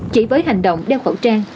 chỉ với hành động đeo khẩu trang